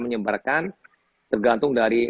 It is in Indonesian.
menyebarkan tergantung dari